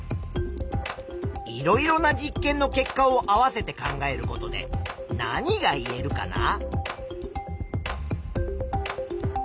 いろいろな実験の結果を合わせて考えることで何が言えるかな？